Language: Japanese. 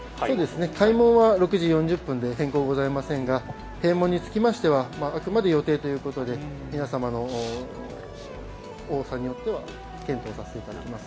開門は６時４０分で変更はありませんが閉門につきましてはあくまで予定ということで皆様の多さによっては検討させていただきます。